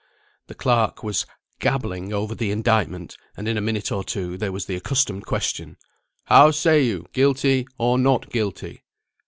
The clerk was gabbling over the indictment, and in a minute or two there was the accustomed question, "How say you, Guilty, or Not Guilty?"